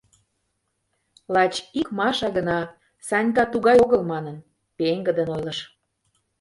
Лач ик Маша гына, Санька «тугай огыл» манын, пеҥгыдын ойлыш.